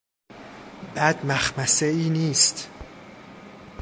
بد مخمصهای نیست!